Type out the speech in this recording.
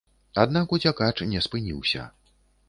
Аднак уцякач не спыніўся.